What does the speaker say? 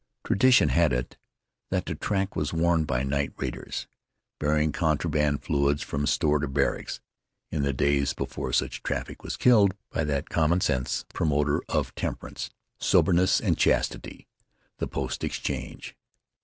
Tradition had it that the track was worn by night raiders, bearing contraband fluids from store to barracks in the days before such traffic was killed by that common sense promoter of temperance, soberness and chastity the post exchange.